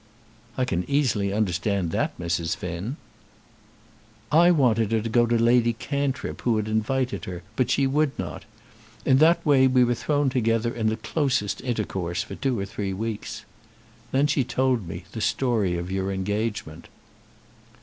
"I can easily understand that, Mrs. Finn." "I wanted her to go to Lady Cantrip who had invited her, but she would not. In that way we were thrown together in the closest intercourse, for two or three weeks. Then she told me the story of your engagement."